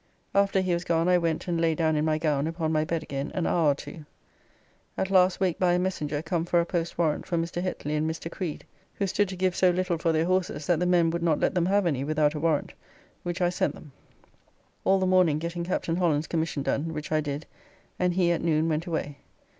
After he was gone I went and lay down in my gown upon my bed again an hour or two. At last waked by a messenger come for a Post Warrant for Mr. Hetly and Mr. Creed, who stood to give so little for their horses that the men would not let them have any without a warrant, which I sent them. All the morning getting Captain Holland's commission done, which I did, and he at noon went away.